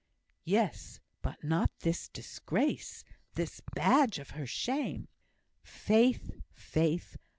"Yes, but not this disgrace this badge of her shame!" "Faith, Faith!